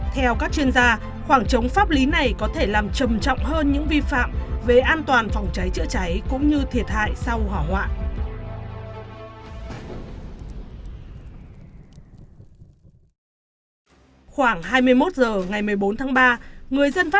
theo các chuyên gia khoảng trống pháp lý này có thể làm trầm trọng hơn những vi phạm về an toàn phòng cháy chữa cháy cũng như thiệt hại sau hỏa hoạn